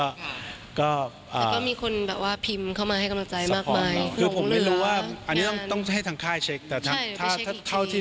แล้วก็มีคนแบบว่าพิมพ์เข้ามาให้กำลังใจมากมาย